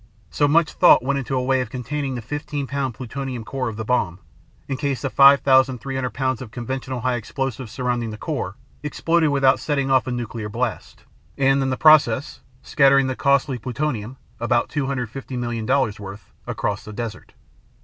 So, much thought went into a way of containing the 15 lb. plutonium core of the bomb, in case the 5,300 lbs. of conventional high explosives surrounding the core exploded without setting off a nuclear blast, and in the process scattering the costly plutonium (about 250 million dollars worth) across the dessert.